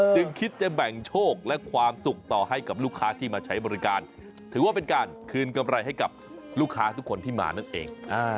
จึงคิดจะแบ่งโชคและความสุขต่อให้กับลูกค้าที่มาใช้บริการถือว่าเป็นการคืนกำไรให้กับลูกค้าทุกคนที่มานั่นเอง